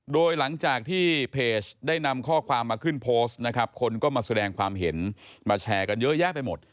โดยหลังจากที่เพจได้นำข้อความมาขึ้นโพสต์นะครับคนก็มาแสดงความเห็นมาแชร์กันเยอะแยะไปหมด